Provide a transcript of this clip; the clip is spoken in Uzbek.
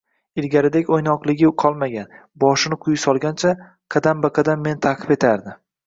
Ilgarigidek o`ynoqiligi qolmagan, boshini quyi solgancha qadam-baqadam meni ta`qib etardi